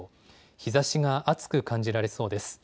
日ざしが暑く感じられそうです。